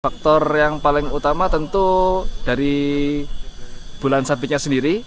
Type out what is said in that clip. faktor yang paling utama tentu dari bulan sabitnya sendiri